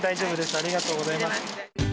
ありがとうございます。